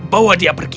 bawa dia pergi